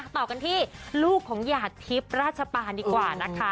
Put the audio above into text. ต่อกันที่ลูกของหยาดทิพย์ราชปานดีกว่านะคะ